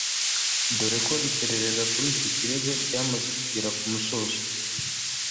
dore ko iperereza kuri iki kirego ryamaze kugera ku musozo